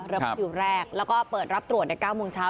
คิวแรกแล้วก็เปิดรับตรวจใน๙โมงเช้า